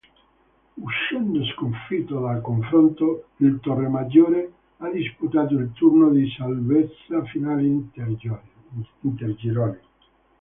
Uscendo sconfitto dal confronto, il Torremaggiore ha disputato il turno di salvezza finale intergirone.